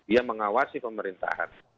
dia mengawasi pemerintahan